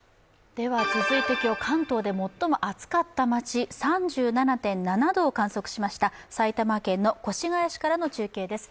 では続いて今日関東で最も暑かった街、３７．７度を観測しました埼玉県の越谷市から中継です。